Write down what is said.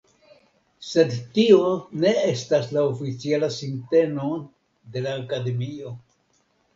Sed tio ne estas la oficiala sinteno de la Akademio.